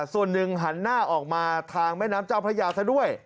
ส่วนหนึ่งหันหน้าออกมาทางแม่น้ำเจ้าพระยาซะด้วย